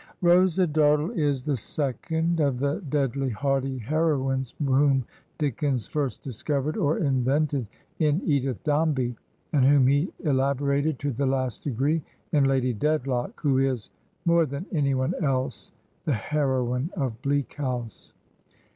Rosa Dartle is the second of the deadly haughty hero ines whom Dickens first discovered or invented in Edith Dombey, and whom he elaborated to the last degree in Lady Dedlock, who is, more than any one else, the hero ine of " Bleak House."